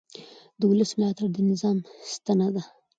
د ولس ملاتړ د نظام ستنه ده